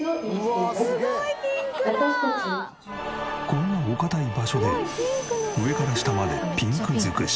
こんなお堅い場所で上から下までピンク尽くし。